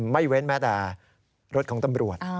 ไม่เว้นแม้แต่รถของตำรวจ